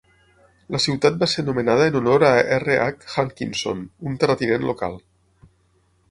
La ciutat va ser nomenada en honor a R.H. Hankinson, un terratinent local.